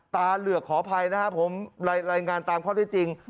เหลือกขออภัยนะครับผมรายงานตามข้อได้จริง